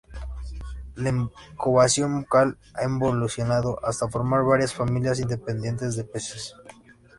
La incubación bucal ha evolucionado hasta formar varias familias independientes de peces.